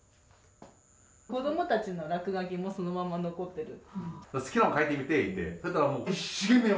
子どもたちの落書きもそのまま残ってる。